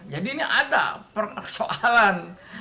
jadi ini ada persoalan